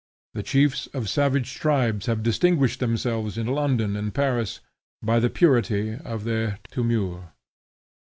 The chiefs of savage tribes have distinguished themselves in London and Paris, by the purity of their tournure.